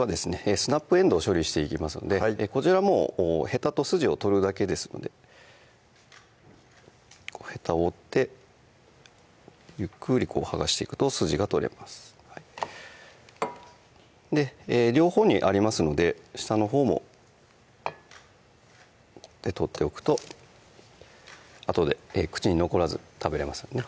スナップえんどう処理していきますのでこちらもうへたと筋を取るだけですのでへたを折ってゆっくりこう剥がしていくと筋が取れます両方にありますので下のほうも取っておくとあとで口に残らず食べれますね